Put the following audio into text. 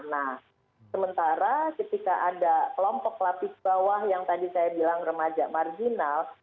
nah sementara ketika ada kelompok lapis bawah yang tadi saya bilang remaja marginal